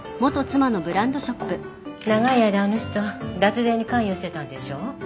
長い間あの人脱税に関与してたんでしょ。